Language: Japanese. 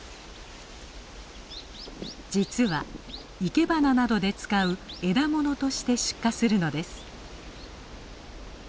実は生け花などで使う「枝もの」として出荷するのです。